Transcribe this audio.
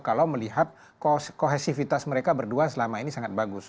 kalau melihat kohesivitas mereka berdua selama ini sangat bagus